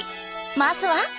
まずは。